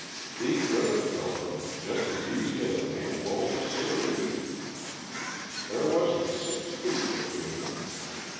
"He could have killed him just as easy as a man rolls a cigareet! There wasn't six feet between 'em.